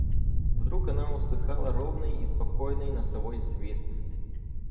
Вдруг она услыхала ровный и спокойный носовой свист.